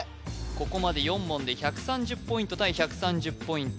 ここまで４問で１３０ポイント対１３０ポイント